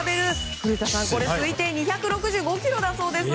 古田さん、これ推定２６５ｋｇだそうです。